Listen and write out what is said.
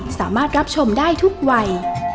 สามารถรับชมได้ทุกวัย